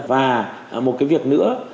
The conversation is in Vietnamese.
và một cái việc nữa